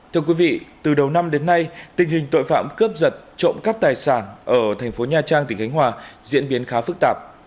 thưa quý vị từ đầu năm đến nay tình hình tội phạm cướp giật trộm cắp tài sản ở thành phố nha trang tỉnh khánh hòa diễn biến khá phức tạp